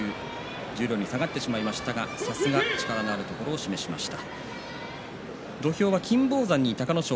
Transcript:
十両に下がってしまいましたがさすが力のあるところを見せました。